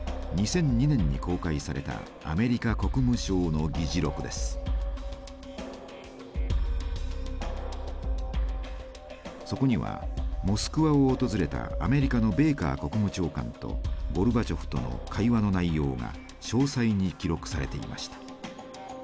２００２年に公開されたそこにはモスクワを訪れたアメリカのベーカー国務長官とゴルバチョフとの会話の内容が詳細に記録されていました。